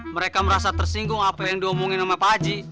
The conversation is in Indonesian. mereka merasa tersinggung apa yang diomongin sama paji